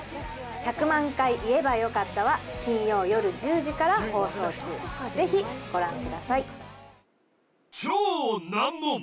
「１００万回言えばよかった」は金曜よる１０時から放送中ぜひご覧ください